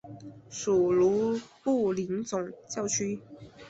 属卢布林总教区。